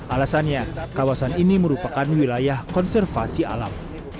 alasannya kawasan ini merupakan wilayah konservasi alam